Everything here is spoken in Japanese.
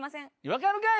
分かるかい？